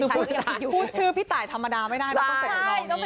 พูดชื่อพี่จ่ายธรรมดาไม่ได้ว่าต้องเสร็จใหนออกมี